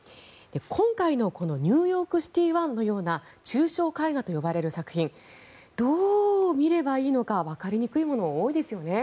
今回のこの「ニューヨークシティ１」のような抽象絵画と呼ばれる作品どう見ればいいのかわかりにくいものが多いですよね。